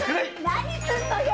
何すんのよ！